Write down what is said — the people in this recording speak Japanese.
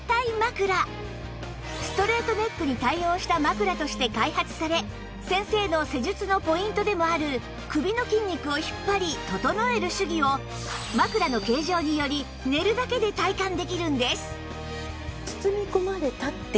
ストレートネックに対応した枕として開発され先生の施術のポイントでもある首の筋肉を引っ張り整える手技を枕の形状により寝るだけで体感できるんです